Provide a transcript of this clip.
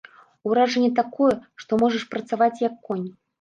Уражанне такое, што можаш працаваць, як конь.